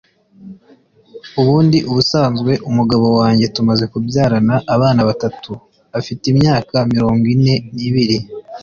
Ubundi ubusanzwe umugabo wanjye tumaze kubyarana abana batatu afite imyaka mirongo ine n’ibiri